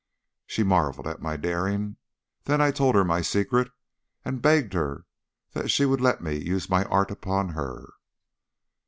She marvelled at my daring. Then I told her my secret, and begged her that she would let me use my art upon her.